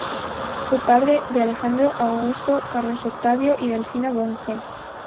Fue padre de Alejandro, Augusto, Carlos Octavio y Delfina Bunge.